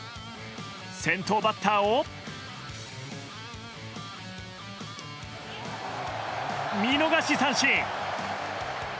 先頭バッターを見逃し三振！